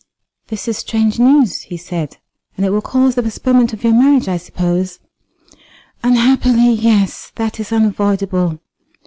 "This is strange news," he said, "and it will cause the postponement of your marriage, I suppose?" "Unhappily, yes; that is unavoidable.